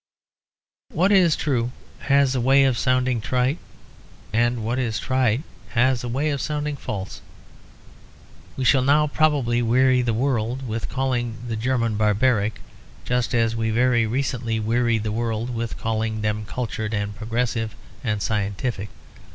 What is true has a way of sounding trite; and what is trite has a way of sounding false. We shall now probably weary the world with calling the Germans barbaric, just as we very recently wearied the world with calling them cultured and progressive and scientific.